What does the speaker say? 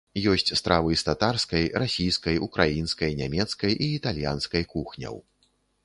Ёсць стравы з татарскай, расійскай, украінскай, нямецкай і італьянскай кухняў.